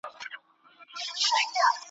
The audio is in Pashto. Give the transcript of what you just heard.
لکه سیوری داسي ورک سوم تا لا نه یم پېژندلی ,